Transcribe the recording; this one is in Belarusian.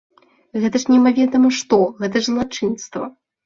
Гэта ж немаведама што, гэта ж злачынства!